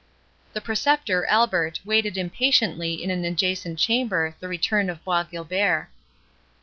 The Preceptor Albert waited impatiently in an adjacent chamber the return of Bois Guilbert.